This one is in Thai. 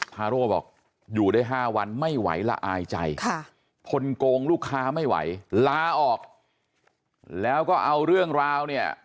ทาโร่บอกอยู่ได้๕วันไม่ไหวละอายใจทนโกงลูกค้าไม่ไหวลาออกแล้วก็เอาเรื่องราวเนี่ย